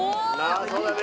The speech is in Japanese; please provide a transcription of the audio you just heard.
そうだね。